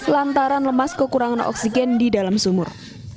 lantaran lemas kekurangan oksigen di dalam sumur